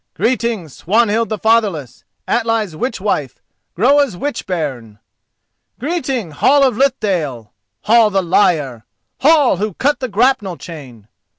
Greeting, Swanhild the Fatherless, Atli's witch wife—Groa's witch bairn! Greeting, Hall of Lithdale, Hall the liar—Hall who cut the grapnel chain!